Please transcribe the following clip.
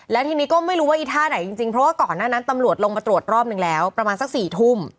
แล้วทีนี้ก็ไม่รู้ว่าอีท่าไหนจริงเพราะว่าก่อนหน้านั้นตำรวจลงมาตรวจรอบหนึ่งแล้วประมาณสัก๔ทุ่ม